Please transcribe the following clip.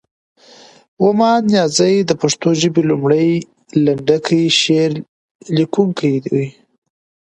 ومان نیازی د پښتو ژبې لومړی، لنډکی شعر لیکونکی دی.